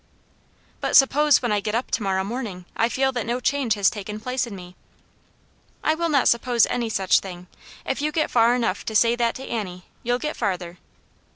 "" But suppose when I get up to morrow morning, I feel that no change has taken place in me ?" "I will not suppose any such thing. If you get far enough to say that to Annie, you'll get farther."